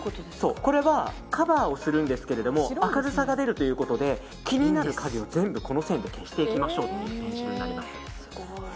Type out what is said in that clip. カバーをするんですけど明るさが出るということで気になる影を全部この線で消していきましょうというコンシーラーになります。